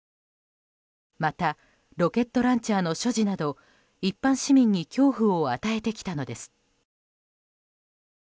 またロケットランチャーの所持など一般市民に恐怖を与えてきたのです。